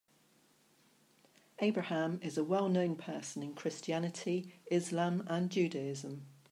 Abraham is a well known person in Christianity, Islam and Judaism.